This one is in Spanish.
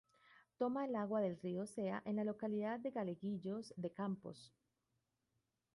Toma el agua del río Cea en la localidad de Galleguillos de Campos.